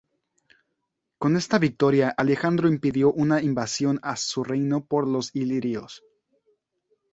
Con esta victoria Alejandro impidió una invasión a su reino por los ilirios.